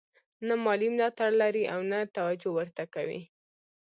نه مالي ملاتړ لري او نه توجه ورته کوي.